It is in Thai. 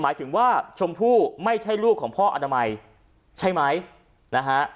หมายถึงว่าชมพู่ไม่ใช่ลูกของพ่ออนามัยใช่ไหมนะฮะ